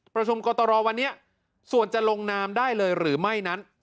ประชุมกรตรวันนี้ส่วนจะลงนามได้เลยหรือไม่นั้น